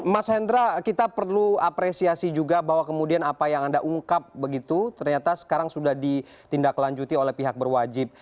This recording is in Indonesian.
mas hendra kita perlu apresiasi juga bahwa kemudian apa yang anda ungkap begitu ternyata sekarang sudah ditindaklanjuti oleh pihak berwajib